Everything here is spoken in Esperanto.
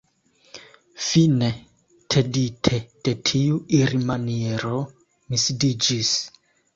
Fine, tedite de tiu irmaniero, mi sidiĝis.